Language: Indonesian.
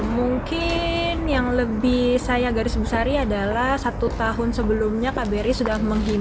mungkin yang lebih saya agar sebesari adalah satu tahun sebelumnya kbri sudah menghilang